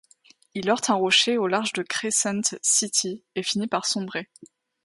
Il heurte un rocher au large de Crescent City et finit par sombrer.